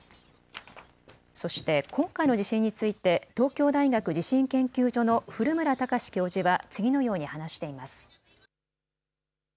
そして今回の地震について東京大学地震研究所の古村孝志教授は次のように話しています。